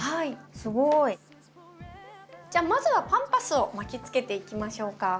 すごい。じゃあまずはパンパスを巻きつけていきましょうか。